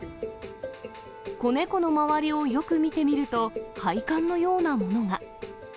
子猫の周りをよく見てみると、配管のようなものが。